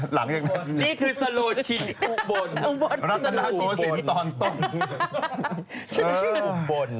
หลังอย่างนั้นนี่คือสโรชิปุบลรัศนาภูรสินตอนตรงชื่นปุบล